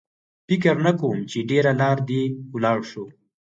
فکر نه کوم چې ډېره لار دې ولاړ شو.